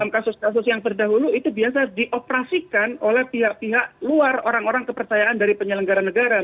kasus kasus yang terdahulu itu biasa dioperasikan oleh pihak pihak luar orang orang kepercayaan dari penyelenggara negara